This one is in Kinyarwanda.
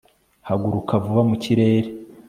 Haguruka vuba mu kirere